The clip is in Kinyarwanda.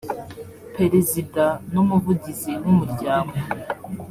perezida n umuvugizi w umuryango